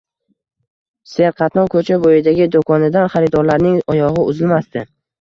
Serqatnov ko`cha bo`yidagi do`konidan xaridorlarning oyog`i uzilmasdi